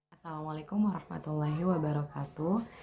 assalamualaikum warahmatullahi wabarakatuh